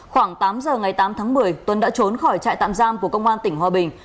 khoảng tám giờ ngày tám tháng một mươi tuấn đã trốn khỏi trại tạm giam của công an tỉnh hòa bình